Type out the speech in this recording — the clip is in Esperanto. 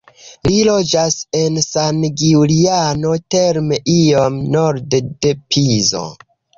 Li loĝas en San Giuliano Terme iom norde de Pizo.